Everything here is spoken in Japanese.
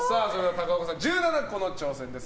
高岡さん、１７個の挑戦です。